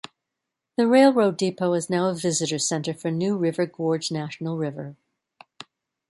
The railroad depot is now a visitor center for New River Gorge National River.